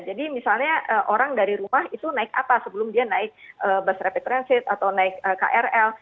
jadi misalnya orang dari rumah itu naik apa sebelum dia naik bus rapid transit atau naik krl